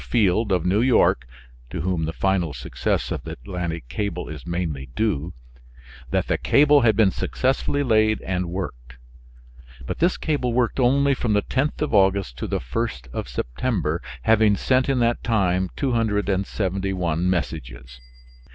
Field of New York (to whom the final success of the Atlantic cable is mainly due), that the cable had been successfully laid and worked. But this cable worked only from the 10th of August to the 1st of September, having sent in that time 271 messages.